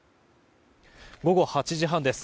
午後８時半です。